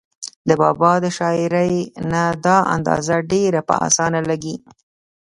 د بابا د شاعرۍ نه دا اندازه ډېره پۀ اسانه لګي